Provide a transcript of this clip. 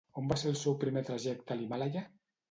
On va ser el seu primer trajecte a l'Himàlaia?